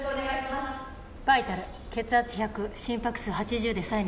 バイタル血圧１００心拍数８０でサイナスです。